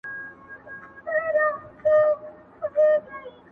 بس چي کله قاضي راسي د شپې کورته،